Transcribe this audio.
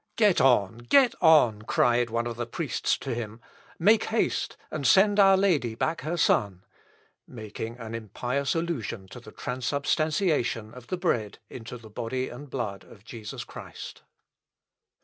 "Get on, get on," cried one of the priests to him; "make haste, and send Our Lady back her Son," making an impious allusion to the transubstantiation of the bread into the body and blood of Jesus Christ.